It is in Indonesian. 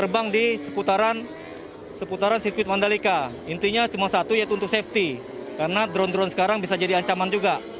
kita memantau drone drone liar yang terbang di seputaran sirkuit mandalika intinya cuma satu yaitu untuk safety karena drone drone sekarang bisa jadi ancaman juga